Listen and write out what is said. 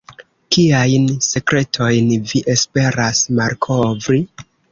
Kiajn sekretojn vi esperas malkovri?